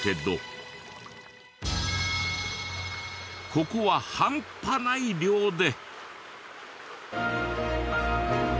ここはハンパない量で。